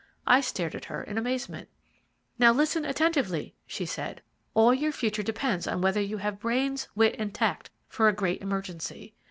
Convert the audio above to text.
I stared at her in amazement. "'Now, listen attentively,' she said. 'All your future depends on whether you have brains, wit, and tact for a great emergency.